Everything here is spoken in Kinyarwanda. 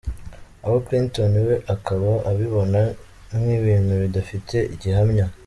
Aha Clinton we akaba abibona nk’ibintu bidafite gihamya.